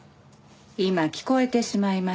今聞こえてしまいました。